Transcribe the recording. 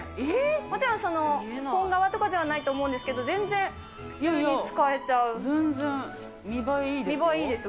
もちろん本革とかではないと思うんですけど、全然普通に使えちゃ全然、見ばえいいですよ。